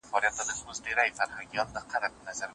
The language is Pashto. نه د جنډۍ په ننګولو د بابا سمېږي